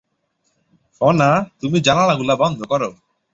ফনা, তুমি জানালাগুলো বন্ধ করো।